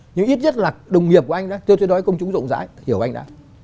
nhưng ít nhất là đồng nghiệp của anh đó theo tôi nói công chúng rộng rãi hiểu anh đó